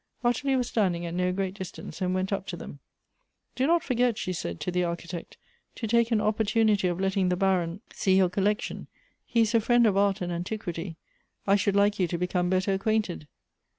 Ottilie was standing at no great distance, and went up to them. "Do not forget," she said to the Aiehitect, " to take an opportunity of letting the Baron see your Elective Affinities. 181 collection. He is a friend of art and antiquity. I should like you to become better acquainted."